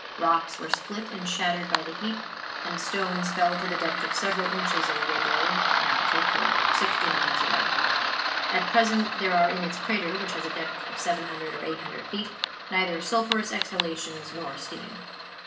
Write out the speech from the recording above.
Rocks were split and shattered by the heat, and stones fell to the depth of several inches in Yeddo (now Tokyo), sixty miles away. At present there are in its crater, which has a depth of 700 or 800 feet, neither sulphurous exhalations nor steam.